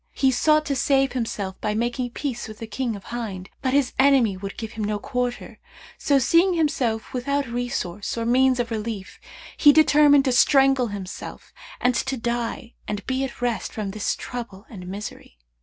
He sought to save himself by making peace with the King of Hind, but his enemy would give him no quarter; so seeing himself without resource or means of relief, he determined to strangle himself and to die and be at rest from this trouble and misery.